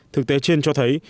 thực tế trên cho thấy